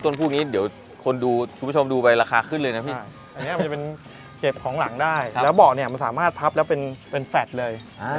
แล้วเบาะสามารถพับแล้วเป็นแฟดเลย